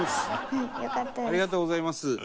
ありがとうございます。